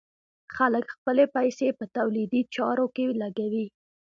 خلک خپلې پيسې په تولیدي چارو کې لګوي.